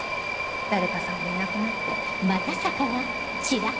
誰かさんがいなくなって。